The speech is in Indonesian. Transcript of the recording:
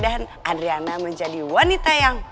dan adriana menjadi wanita yang